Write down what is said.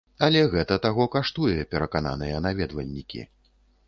Але гэта таго каштуе, перакананыя наведвальнікі.